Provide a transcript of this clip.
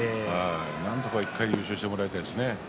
なんとか１回優勝してもらいたいですね。